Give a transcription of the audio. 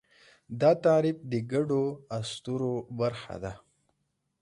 دا تعریف د ګډو اسطورو برخه ده.